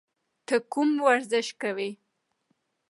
ته کوم ورزش کوې؟